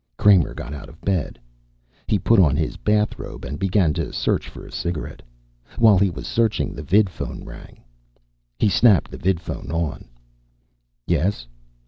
Kramer got out of bed. He put on his bathrobe and began to search for a cigarette. While he was searching, the vidphone rang. He snapped the vidphone on. "Yes?"